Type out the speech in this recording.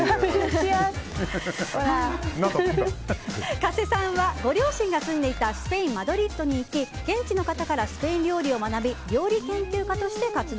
加瀬さんはご両親が住んでいたスペイン・マドリードに行き現地の方からスペイン料理を学び料理研究家として活動。